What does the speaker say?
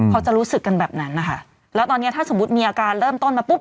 เขาจะรู้สึกกันแบบนั้นนะคะแล้วตอนเนี้ยถ้าสมมุติมีอาการเริ่มต้นมาปุ๊บ